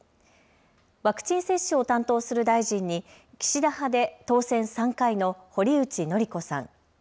ワクチン接種を担当する大臣に岸田派で当選３回の堀内詔子さん。